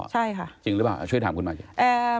จริงหรือเปล่าช่วยถามคุณมาเชียว